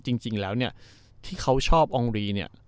จริงแล้วเนี่ยที่เขาชอบอองรีเนี่ย